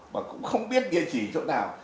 mà cũng không biết địa chỉ chỗ nào